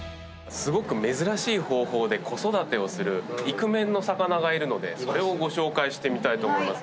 すごく珍しい方法で子育てをするイクメンの魚がいるのでそれをご紹介してみたいと思います。